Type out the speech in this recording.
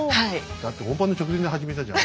だって本番の直前で始めたじゃん。